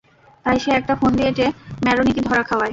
তাই সে একটা ফন্দি এঁটে ম্যারোনিকে ধরা খাওয়ায়।